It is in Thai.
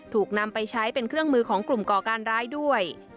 ถูกนำไปใช้เป็นเครื่องมือของกลุ่มก่อการร้ายด้วย